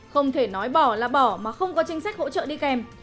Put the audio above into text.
không thể nói bỏ là bỏ mà không có chính sách hỗ trợ đi kèm